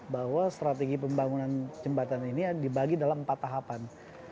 bahwa strategi pembangunan jembatan ini dibagi dalam empat tahapan